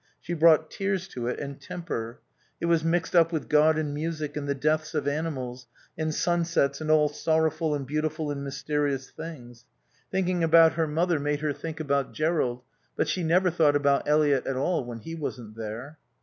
She brought tears to it and temper. It was mixed up with God and music and the deaths of animals, and sunsets and all sorrowful and beautiful and mysterious things. Thinking about her mother made her think about Jerrold; but she never thought about Eliot at all when he wasn't there.